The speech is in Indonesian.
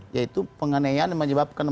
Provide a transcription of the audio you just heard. yaitu penganean yang menyebabkan mati